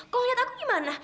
kau liat aku gimana